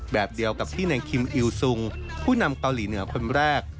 แบบเดียวกับที่ในคิมอิวซุงผู้นำเกาหลีเหนือคนแรก